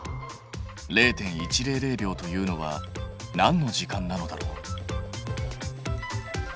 ０．１００秒というのは何の時間なのだろう？